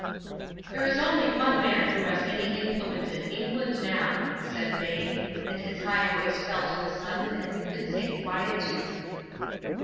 "There is only one man who has any influence in England now," said Vane, and his high voice fell to a sudden and convincing quietude.